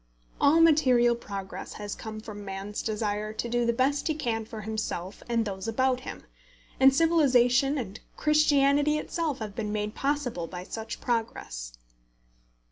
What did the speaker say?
All material progress has come from man's desire to do the best he can for himself and those about him, and civilisation and Christianity itself have been made possible by such progress.